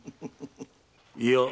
・いや。